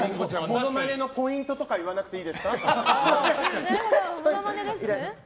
モノマネのポイントとか言わなくていいですか？